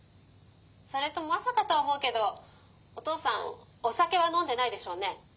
それとまさかとは思うけどお父さんおさけはのんでないでしょうね？」。